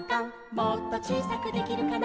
「もっとちいさくできるかな」